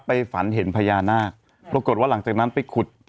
ฝันเห็นพญานาคปรากฏว่าหลังจากนั้นไปขุด